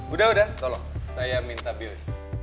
udah udah tolong saya minta bill